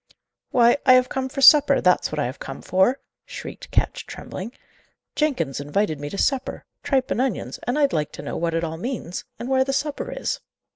"Why, I have come for supper, that's what I have come for," shrieked Ketch, trembling. "Jenkins invited me to supper; tripe and onions; and I'd like to know what it all means, and where the supper is."